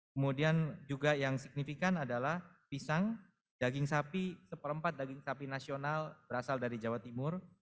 kemudian juga yang signifikan adalah pisang daging sapi seperempat daging sapi nasional berasal dari jawa timur